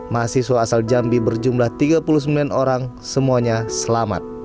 mahasiswa asal jambi berjumlah tiga puluh sembilan orang semuanya selamat